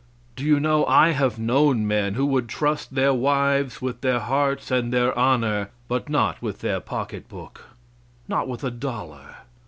Do you know I have known men who would trust their wives with their hearts and their honor, but not with their pocketbook; not with a dollar.